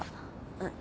うん。